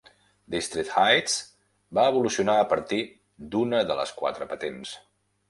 District Heights va evolucionar a partir d'una de les quatre patents.